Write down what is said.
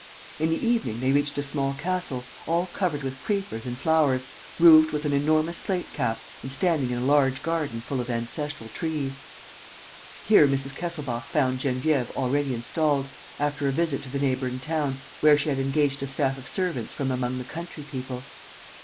In the evening they reached a small castle, all covered with creepers and flowers, roofed with an enormous slate cap and standing in a large garden full of ancestral trees. Here Mrs. Kesselbach found Geneviève already installed, after a visit to the neighboring town, where she had engaged a staff of servants from among the country people.